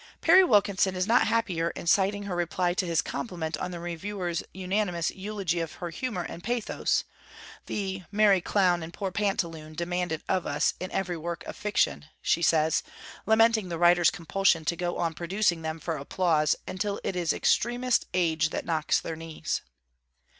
Perry Wilkinson is not happier in citing her reply to his compliment on the reviewers' unanimous eulogy of her humour and pathos: the 'merry clown and poor pantaloon demanded of us in every work of fiction,' she says, lamenting the writer's compulsion to go on producing them for applause until it is extremest age that knocks their knees.